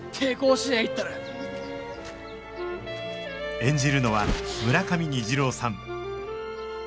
演じるのは村上虹郎さん